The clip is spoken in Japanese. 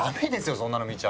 そんなの見ちゃ！